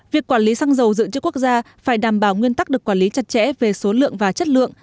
việc quản lý xăng dầu dự trữ quốc gia phải đảm bảo nguyên tắc được quản lý chặt chẽ về số lượng và chất lượng